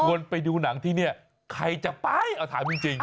คนไปดูหนังที่นี่ใครจะไปเอาถามจริง